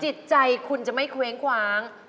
จิตใจคุณจะไม่เคว้งคว้าง